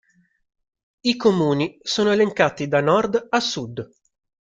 I comuni sono elencati da nord a sud.